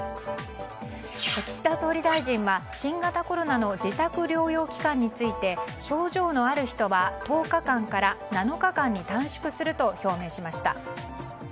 岸田総理大臣は、新型コロナの自宅療養期間について症状のある人は１０日間から７日間に短縮すると表明しました。